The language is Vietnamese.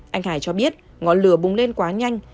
anh hải cho biết ngọn lửa bùng lên quá nhanh